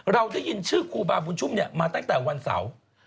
เราได้ยินชื่อครูบาบุญชุมมาตั้งแต่วันเสาร์